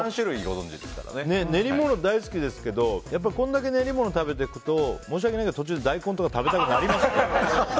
練り物大好きですけどこんだけ練り物食べていくと申し訳ないけど、途中で大根とか食べたくなりますけど。